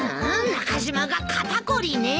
中島が肩凝りねえ。